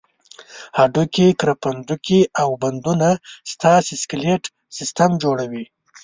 هډوکي، کرپندوکي او بندونه ستاسې سکلېټ سیستم جوړوي.